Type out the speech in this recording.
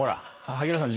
萩原さん